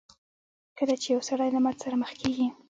کله چې يو سړی له ماتې سره مخ کېږي.